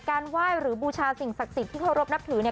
ไหว้หรือบูชาสิ่งศักดิ์สิทธิ์ที่เคารพนับถือเนี่ย